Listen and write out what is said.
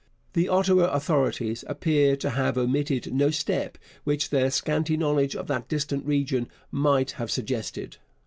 The Ottawa authorities appear to have omitted no step which their scanty knowledge of that distant region might have suggested.